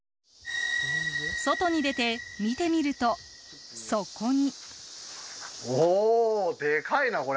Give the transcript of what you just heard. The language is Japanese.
外に出て見てみると、そこに。